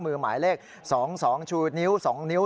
หมายเลข๒๒ชูนิ้ว๒นิ้ว